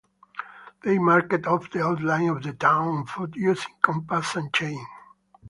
They marked off the outline of the town on foot using compass and chain.